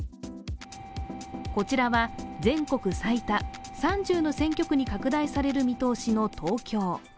こちらは全国最多、３０の選挙区に拡大される見通しの東京。